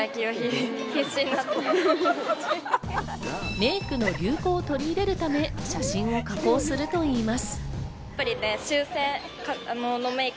メイクの流行を取り入れるため、写真を加工するといいます。